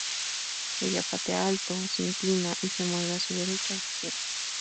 Ella patea alto, se inclina y se mueve a su derecha e izquierda.